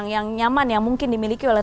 yang nyaman yang mungkin dimiliki oleh